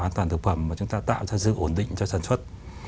an toàn thực phẩm mà chúng ta tạo ra sự ổn định cho sản xuất